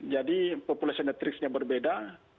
jadi populasi netriksnya berbeda